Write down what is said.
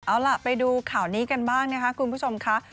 เอาล่ะไปดูข่าวนี้กันบ้างนะคะคุณผู้ชมค่ะ